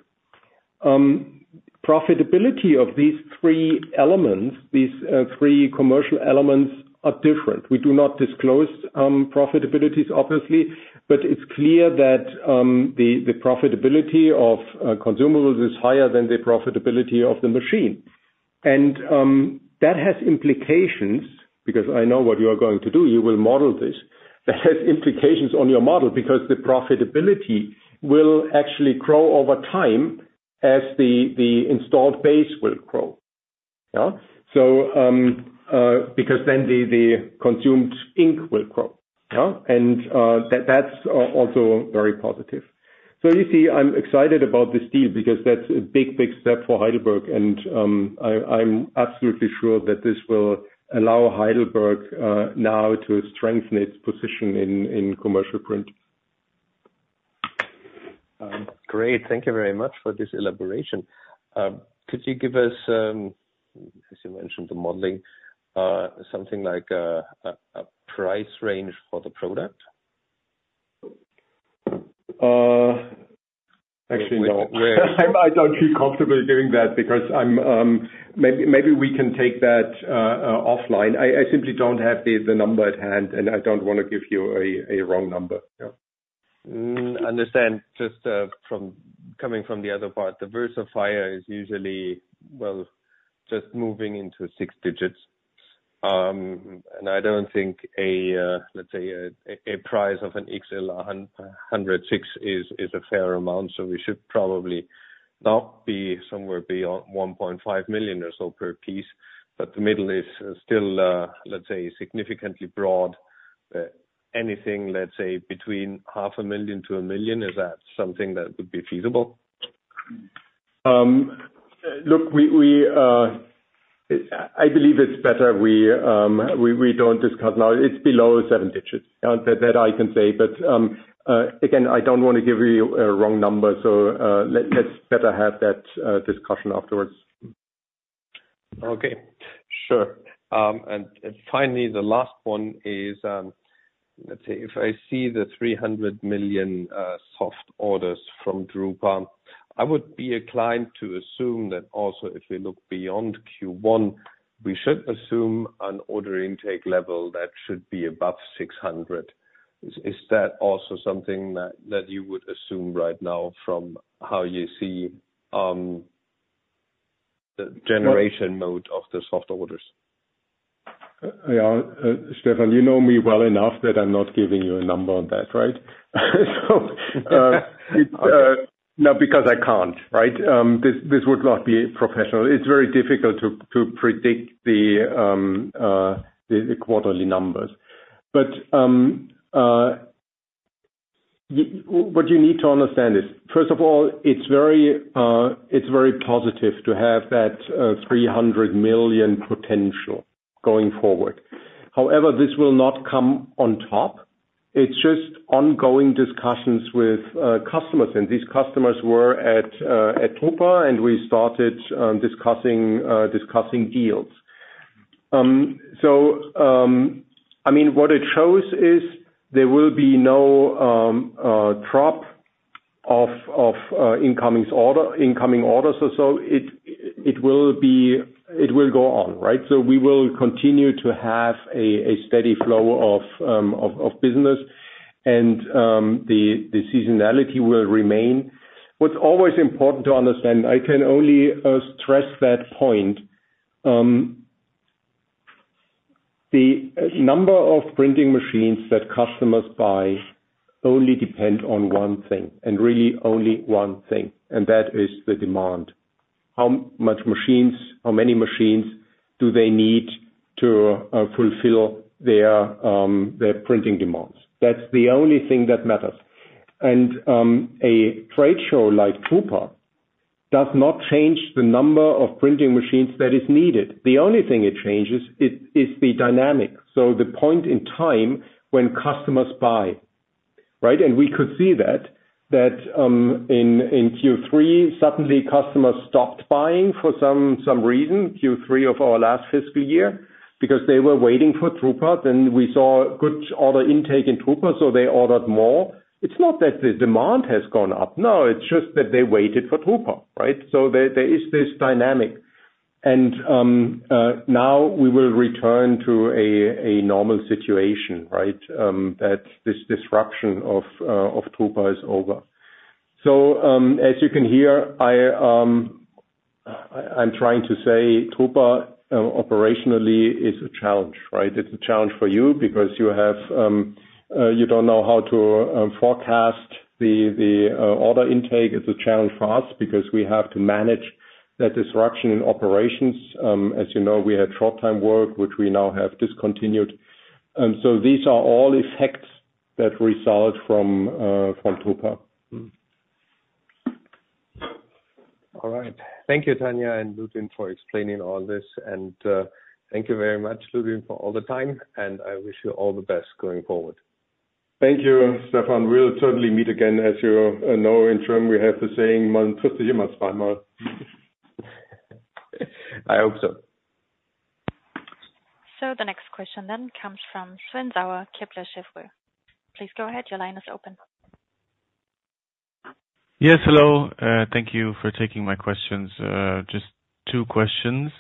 Profitability of these three elements, these three commercial elements are different. We do not disclose profitabilities, obviously, but it's clear that the profitability of consumables is higher than the profitability of the machine. And that has implications because I know what you are going to do. You will model this. That has implications on your model because the profitability will actually grow over time as the installed base will grow. Yeah? Because then the consumed ink will grow. Yeah? And that's also very positive. So you see, I'm excited about this deal because that's a big, big step for Heidelberg, and I'm absolutely sure that this will allow Heidelberg now to strengthen its position in commercial print. Great. Thank you very much for this elaboration. Could you give us, as you mentioned, the modeling, something like a price range for the product? Actually, no. I don't feel comfortable giving that because maybe we can take that offline. I simply don't have the number at hand, and I don't want to give you a wrong number. Yeah. Understand. Just coming from the other part, the Versafire is usually, well, just moving into six digits. And I don't think, let's say, a price of an XL 106 is a fair amount. So we should probably not be somewhere beyond 1.5 million or so per piece, but the middle is still, let's say, significantly broad. Anything, let's say, between 500,000-1 million, is that something that would be feasible? Look, I believe it's better we don't discuss now. It's below seven digits. That I can say. But again, I don't want to give you a wrong number, so let's better have that discussion afterwards. Okay. Sure. And finally, the last one is, let's see, if I see the 300 million soft orders from drupa, I would be inclined to assume that also if we look beyond Q1, we should assume an order intake level that should be above 600 million. Is that also something that you would assume right now from how you see the generation mode of the soft orders? Yeah, Stefan, you know me well enough that I'm not giving you a number on that, right? No, because I can't, right? This would not be professional. It's very difficult to predict the quarterly numbers. But what you need to understand is, first of all, it's very positive to have that 300 million potential going forward. However, this will not come on top. It's just ongoing discussions with customers. And these customers were at drupa, and we started discussing deals. So I mean, what it shows is there will be no drop of incoming orders, so it will go on, right? So we will continue to have a steady flow of business, and the seasonality will remain. What's always important to understand, I can only stress that point. The number of printing machines that customers buy only depend on one thing, and really only one thing, and that is the demand. How many machines do they need to fulfill their printing demands? That's the only thing that matters. And a trade show like drupa does not change the number of printing machines that is needed. The only thing it changes is the dynamic. So the point in time when customers buy, right? We could see that in Q3, suddenly customers stopped buying for some reason, Q3 of our last fiscal year, because they were waiting for drupa, then we saw good order intake in drupa, so they ordered more. It's not that the demand has gone up. No, it's just that they waited for drupa, right? So there is this dynamic. Now we will return to a normal situation, right, that this disruption of drupa is over. So as you can hear, I'm trying to say drupa operationally is a challenge, right? It's a challenge for you because you don't know how to forecast the order intake. It's a challenge for us because we have to manage that disruption in operations. As you know, we had short-time work, which we now have discontinued. So these are all effects that result from drupa. All right. Thank you, Tania and Ludwin, for explaining all this. Thank you very much, Ludwin, for all the time, and I wish you all the best going forward. Thank you, Stefan. We'll certainly meet again. As you know, in Germany, we have the saying, "Man trifft sich immer zweimal." I hope so. The next question then comes from Sven Sauer, Kepler Cheuvreux. Please go ahead. Your line is open. Yes, hello. Thank you for taking my questions. Just two questions.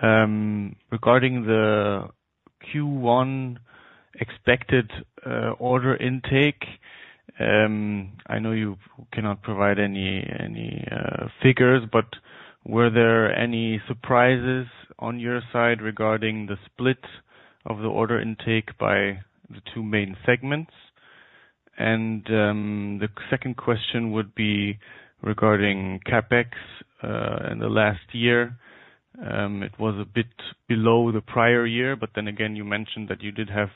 Regarding the Q1 expected order intake, I know you cannot provide any figures, but were there any surprises on your side regarding the split of the order intake by the two main segments? The second question would be regarding CapEx in the last year. It was a bit below the prior year, but then again, you mentioned that you did have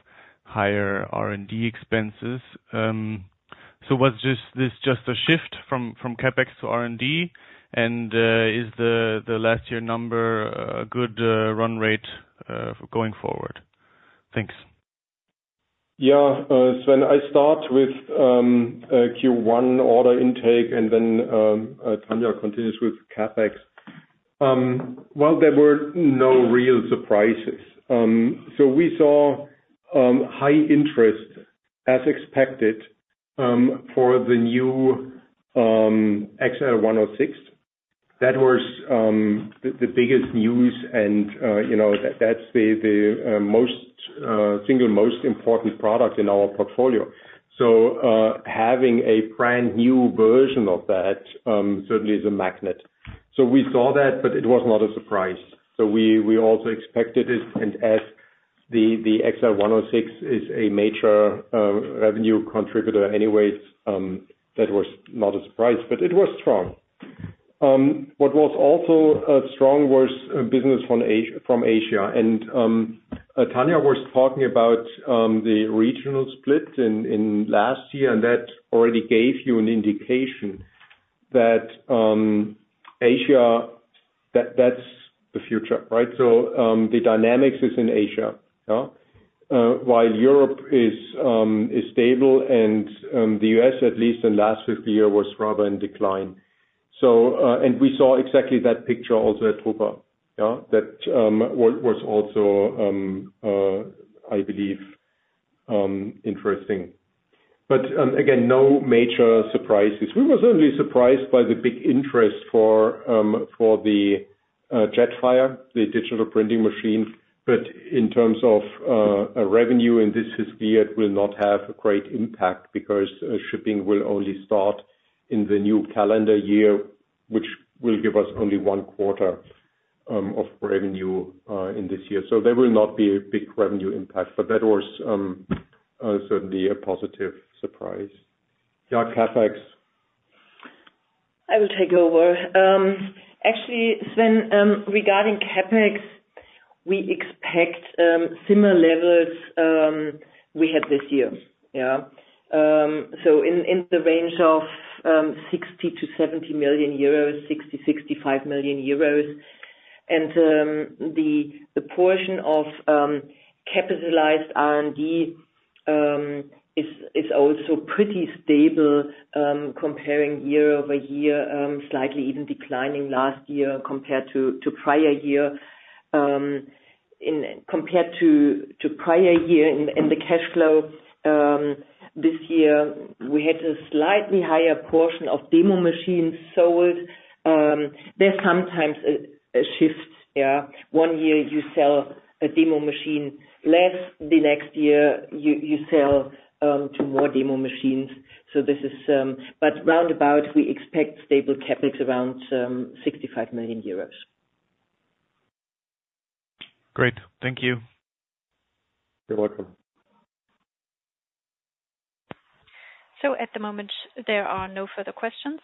higher R&D expenses. So was this just a shift from CapEx to R&D? And is the last year number a good run rate going forward? Thanks. Yeah. So I start with Q1 order intake, and then Tania continues with CapEx. Well, there were no real surprises. So we saw high interest, as expected, for the new XL 106. That was the biggest news, and that's the single most important product in our portfolio. So having a brand new version of that certainly is a magnet. So we saw that, but it was not a surprise. So we also expected it. And as the XL 106 is a major revenue contributor anyway, that was not a surprise, but it was strong. What was also strong was business from Asia. And Tania was talking about the regional split last year, and that already gave you an indication that Asia, that's the future, right? So the dynamics is in Asia. While Europe is stable, and the U.S., at least in the last fiscal year, was rather in decline. And we saw exactly that picture also at drupa. That was also, I believe, interesting. But again, no major surprises. We were certainly surprised by the big interest for the Jetfire, the digital printing machine. But in terms of revenue in this fiscal year, it will not have a great impact because shipping will only start in the new calendar year, which will give us only one quarter of revenue in this year. So there will not be a big revenue impact, but that was certainly a positive surprise. Yeah, CapEx. I will take over. Actually, Sven, regarding CapEx, we expect similar levels we had this year. Yeah? So in the range of 60 million-70 million euros, 60 million, 65 million euros. The portion of capitalized R&D is also pretty stable comparing year-over-year, slightly even declining last year compared to prior year. Compared to prior year in the cash flow, this year, we had a slightly higher portion of demo machines sold. There's sometimes a shift. Yeah? One year, you sell a demo machine less. The next year, you sell two more demo machines. So this is, but round about, we expect stable CapEx around EUR 65 million. Great. Thank you. You're welcome. So at the moment, there are no further questions.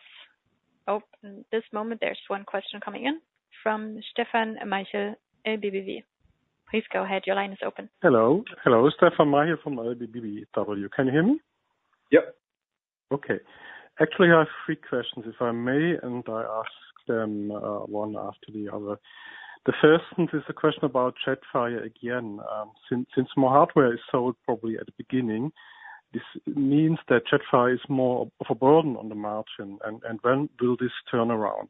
Oh, at this moment, there's one question coming in from Stefan Maichl LBBW. Please go ahead. Your line is open. Hello. Hello, Stefan Maichl from LBBW. Can you hear me? Yep. Okay. Actually, I have three questions, if I may, and I ask them one after the other. The first is a question about Jetfire again. Since more hardware is sold probably at the beginning, this means that Jetfire is more of a burden on the margin, and when will this turn around?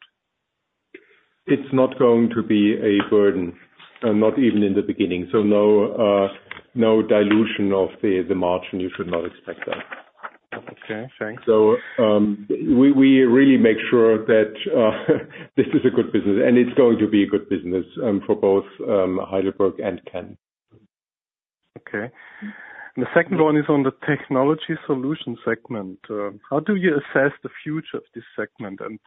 It's not going to be a burden, not even in the beginning. So no dilution of the margin. You should not expect that. Okay. Thanks. So we really make sure that this is a good business, and it's going to be a good business for both Heidelberg and Canon. Okay. The second one is on the Technology Solutions segment. How do you assess the future of this segment? And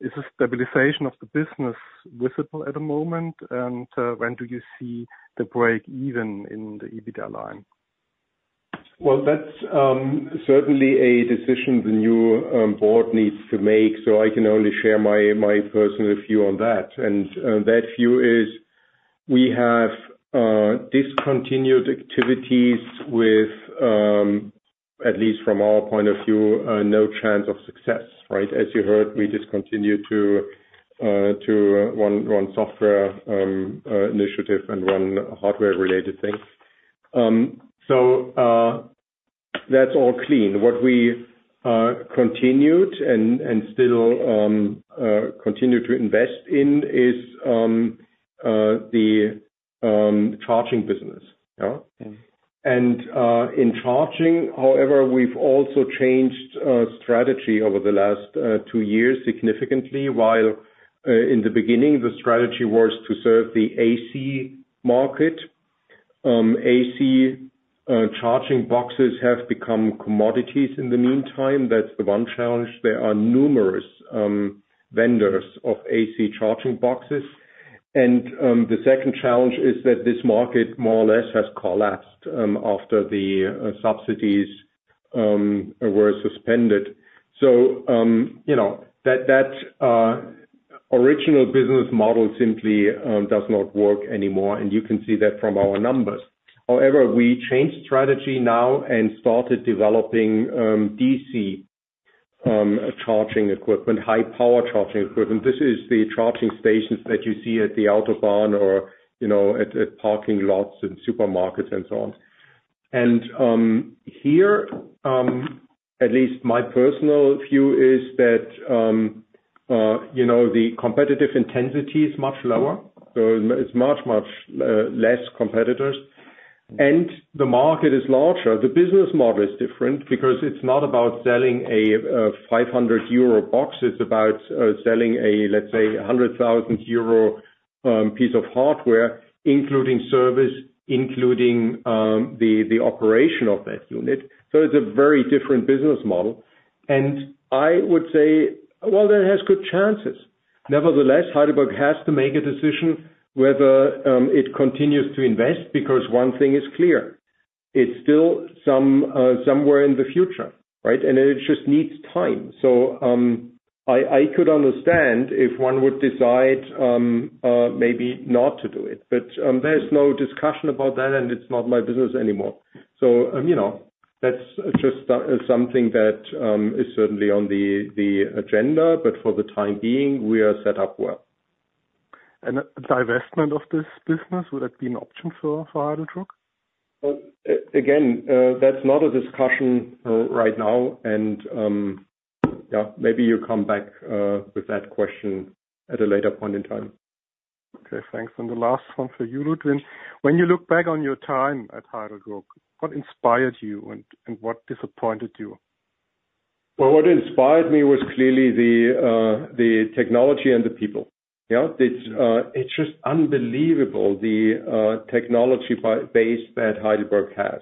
is the stabilization of the business visible at the moment? And when do you see the break even in the EBITDA line? Well, that's certainly a decision the new board needs to make. So I can only share my personal view on that. And that view is we have discontinued activities with, at least from our point of view, no chance of success, right? As you heard, we discontinued to run software initiative and run hardware-related things. So that's all clean. What we continued and still continue to invest in is the charging business. Yeah? And in charging, however, we've also changed strategy over the last two years significantly. While in the beginning, the strategy was to serve the AC market, AC charging boxes have become commodities in the meantime. That's the one challenge. There are numerous vendors of AC charging boxes. And the second challenge is that this market more or less has collapsed after the subsidies were suspended. So that original business model simply does not work anymore, and you can see that from our numbers. However, we changed strategy now and started developing DC charging equipment, high-power charging equipment. This is the charging stations that you see at the autobahn or at parking lots in supermarkets and so on. And here, at least my personal view is that the competitive intensity is much lower. So it's much, much less competitors. And the market is larger. The business model is different because it's not about selling a 500 euro box. It's about selling a, let's say, 100,000 euro piece of hardware, including service, including the operation of that unit. So it's a very different business model. And I would say, well, that has good chances. Nevertheless, Heidelberg has to make a decision whether it continues to invest because one thing is clear. It's still somewhere in the future, right? And it just needs time. So I could understand if one would decide maybe not to do it. But there's no discussion about that, and it's not my business anymore. So that's just something that is certainly on the agenda, but for the time being, we are set up well. And divestment of this business, would that be an option for Heidelberg? Again, that's not a discussion right now. And yeah, maybe you come back with that question at a later point in time. Okay. Thanks. And the last one for you, Ludwin. When you look back on your time at Heidelberg, what inspired you and what disappointed you? Well, what inspired me was clearly the technology and the people. Yeah? It's just unbelievable, the technology base that Heidelberg has.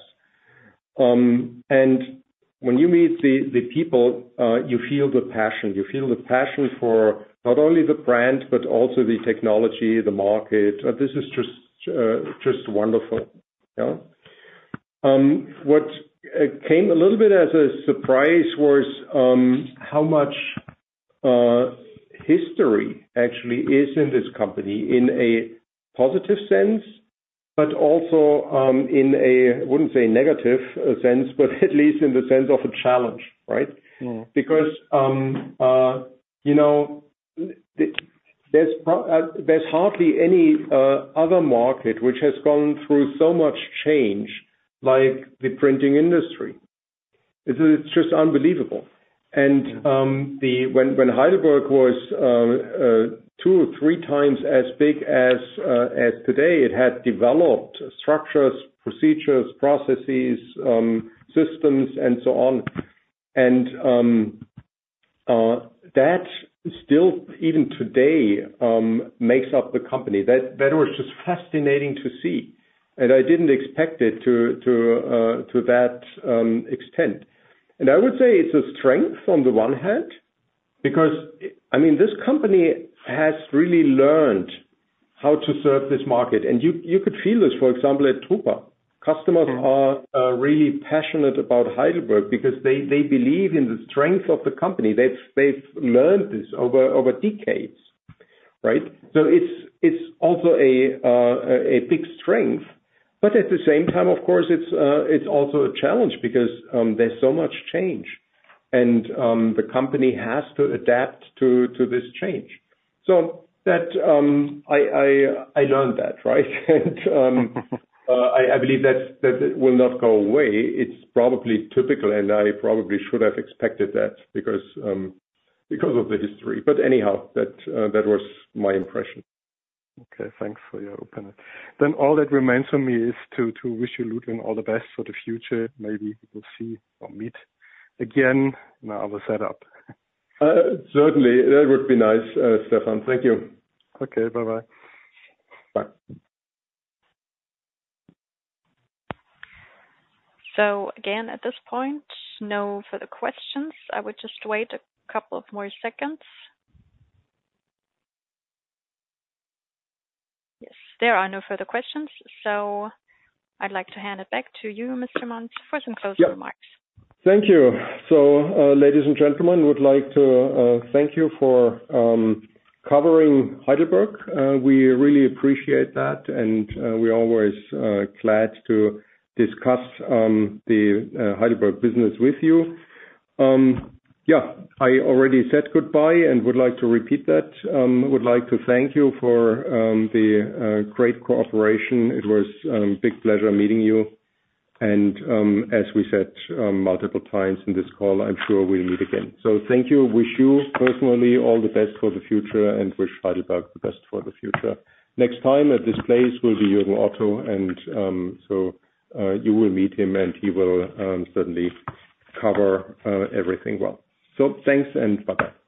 And when you meet the people, you feel the passion. You feel the passion for not only the brand, but also the technology, the market. This is just wonderful. Yeah? What came a little bit as a surprise was how much history actually is in this company in a positive sense, but also in a, I wouldn't say negative sense, but at least in the sense of a challenge, right? Because there's hardly any other market which has gone through so much change like the printing industry. It's just unbelievable. When Heidelberg was 2 or 3 times as big as today, it had developed structures, procedures, processes, systems, and so on. That still, even today, makes up the company. That was just fascinating to see. I didn't expect it to that extent. I would say it's a strength on the one hand because, I mean, this company has really learned how to serve this market. You could feel this, for example, at drupa. Customers are really passionate about Heidelberg because they believe in the strength of the company. They've learned this over decades, right? So it's also a big strength. But at the same time, of course, it's also a challenge because there's so much change. And the company has to adapt to this change. So I learned that, right? And I believe that it will not go away. It's probably typical, and I probably should have expected that because of the history. But anyhow, that was my impression. Okay. Thanks for your openness. Then all that remains for me is to wish you, Ludwin, all the best for the future. Maybe we'll see or meet again in another setup. Certainly. That would be nice, Stefan. Thank you. Okay. Bye-bye. Bye. So again, at this point, no further questions. I would just wait a couple of more seconds. Yes. There are no further questions. So I'd like to hand it back to you, Mr. Monz, for some closing remarks. Thank you. So, ladies and gentlemen, I would like to thank you for covering Heidelberg. We really appreciate that, and we're always glad to discuss the Heidelberg business with you. Yeah. I already said goodbye and would like to repeat that. I would like to thank you for the great cooperation. It was a big pleasure meeting you. And as we said multiple times in this call, I'm sure we'll meet again. So thank you. Wish you personally all the best for the future and wish Heidelberg the best for the future. Next time at this place will be Jürgen Otto, and so you will meet him, and he will certainly cover everything well. So thanks and bye-bye.